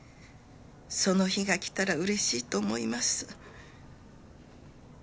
その日が来たらうれしいと思います。